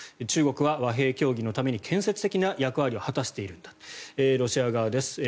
中国は和平協議のために建設的な役割を果たしているんだロシア側です。